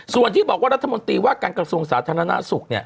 ส่วนที่บอกว่ารัฐมนตรีว่าการกระทรวงสาธารณสุข